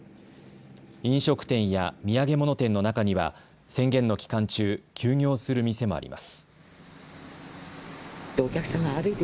飲食店や土産物店の中には宣言の期間中、休業する店もあります。